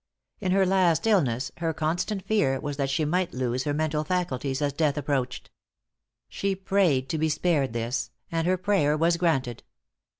In her last illness, her constant fear was that she might lose her mental faculties as death approached. She prayed to be spared this; and her prayer was granted.